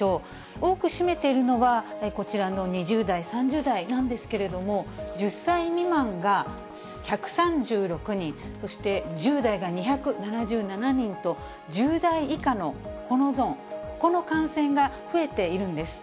多く占めているのは、こちらの２０代、３０代なんですけれども、１０歳未満が１３６人、そして１０代が２７７人と、１０代以下のこのゾーン、この感染が増えているんです。